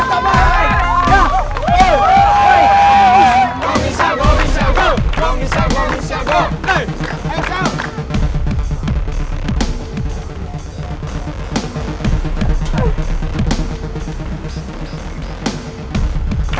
awas nyangkut nyangkut